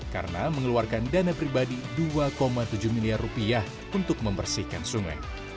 karena mengeluarkan dana pribadi dua tujuh miliar rupiah untuk membersihkan sungai